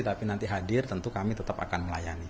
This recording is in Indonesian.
tapi nanti hadir tentu kami tetap akan melayani